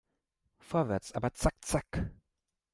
Vorwärts, aber zack zack